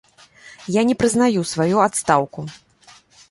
Я не прызнаю сваю адстаўку.